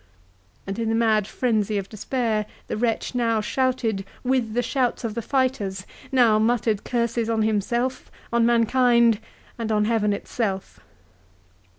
And in the mad frenzy of despair, the wretch now shouted with the shouts of the fighters, now muttered curses on himself, on mankind, and on Heaven itself.